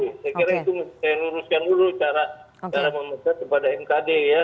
karena itu saya luruskan dulu cara memecat kepada mkd ya